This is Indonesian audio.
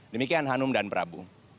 demikian hanum dan prabu